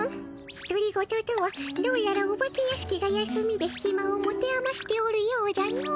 ひとり言とはどうやらお化け屋敷が休みでひまを持てあましておるようじゃの。